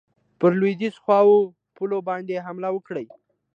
پر لوېدیخو پولو باندي حمله وکړي.